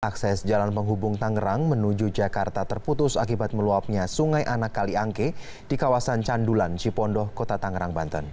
akses jalan penghubung tangerang menuju jakarta terputus akibat meluapnya sungai anak kaliangke di kawasan candulan cipondoh kota tangerang banten